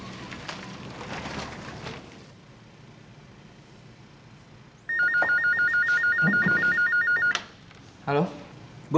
dengar pulang ya